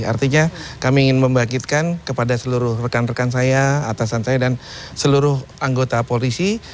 artinya kami ingin membangkitkan kepada seluruh rekan rekan saya atasan saya dan seluruh anggota polisi